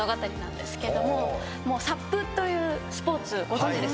サップというスポーツご存じですか？